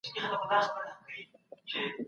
خپل مسوولیتونه په ښه توګه ترسره کړئ.